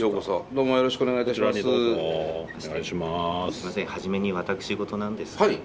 そうですね。